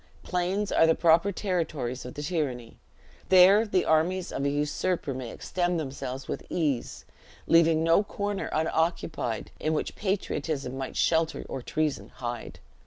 Plains are the proper territories of tyranny; there the armies of a usurper may extend themselves with ease; leaving no corner unoccupied in which patriotism might shelter or treason hide.